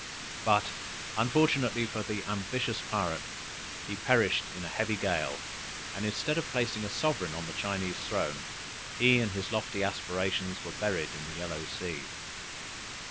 But unfortunately for the ambitious pirate, he perished in a heavy gale, and instead of placing a sovereign on the Chinese throne, he and his lofty aspirations were buried in the yellow sea.